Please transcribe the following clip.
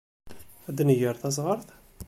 Ad nger tasɣart?